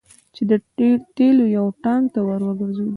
چې د تیلو یو ټانګ ته ور وګرځید.